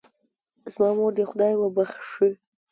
زما مور دې خدای وبښئ